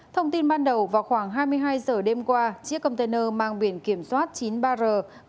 thông tin ban đầu vào khoảng hai mươi hai h đêm qua chiếc container mang biển kiểm soát chín mươi ba r tám mươi năm